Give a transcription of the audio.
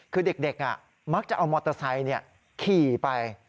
คือเด็กมักจะเอามอเตอร์ไซค์ขี่ไป